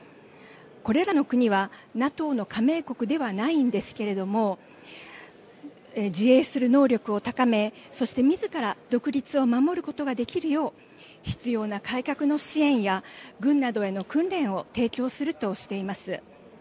これらの国はＮＡＴＯの加盟国ではないんですけれども自衛する能力を高めそして、みずから独立を守ることができるよう必要な改革の支援や軍などへの訓練を提供するとしています。